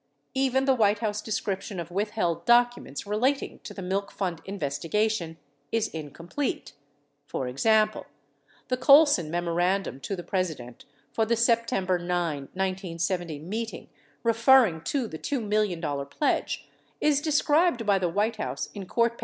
Even the White House, description of withheld documents relating to the milk fund investigation is incomplete. For example, the Colson memorandum to the President for the September 9, 1970, meeting re ferring to the $2 million pledge is described by the White House in 53 Nelson.